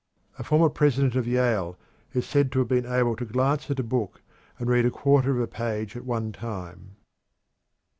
A former president of Yale is said to have been able to glance at a book and read a quarter of a page at one time.